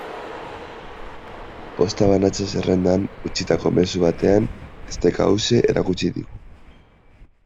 Posta banatze-zerrendan utzitako mezu batean esteka hauxe erakutsi digu.